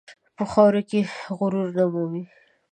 په خاوره کې غرور نه مومي.